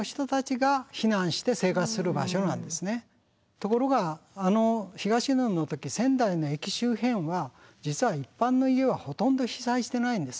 ところがあの東日本の時仙台の駅周辺は実は一般の家はほとんど被災してないんです。